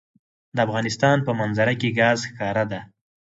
د افغانستان په منظره کې ګاز ښکاره ده.